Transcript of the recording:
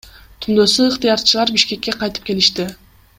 Түндөсү ыктыярчылар Бишкекке кайтып келишти.